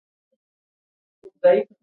مېوې د افغانستان د طبعي سیسټم توازن ساتي.